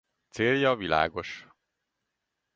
Célja világos.